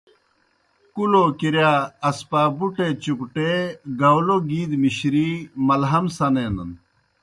کُلو کِرِیا اسپابُٹے چُکٹےگاؤلو گِی دہ مِشرِی مَلہَم سنینَن۔